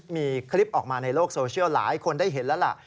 มีคลิปออกมาในโลกโซเชียลหลายคนได้เห็นแล้วล่ะ